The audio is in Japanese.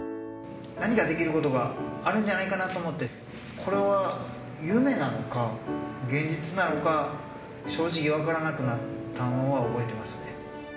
何かできることがあるんじゃないかなと思って、これは夢なのか、現実なのか、正直分からなくなったのは覚えてますね。